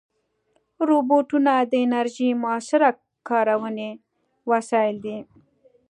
روبوټونه د انرژۍ مؤثره کارونې وسایل دي.